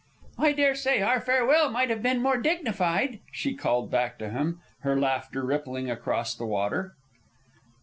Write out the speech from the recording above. "I dare say our farewell might have been more dignified," she called back to him, her laughter rippling across the water.